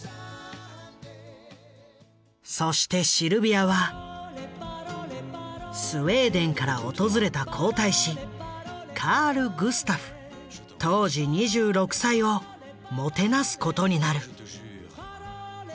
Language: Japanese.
そしてシルビアはスウェーデンから訪れた皇太子カール・グスタフ当時２６歳をもてなすことになる。